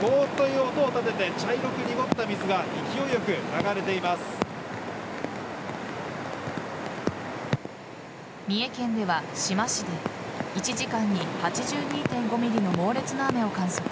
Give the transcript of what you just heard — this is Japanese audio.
ゴーという音をたてて茶色く濁った水が三重県では志摩市で１時間に８２．５ｍｍの猛烈な雨を観測。